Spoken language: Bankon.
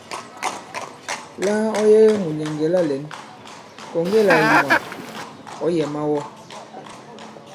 La ɔ yege mùnyɛ̀ŋgɛ̀ la lɛ̌n, kɔ̀ŋge là ìmwà ɔ̌ yɛ̀ mawɔ.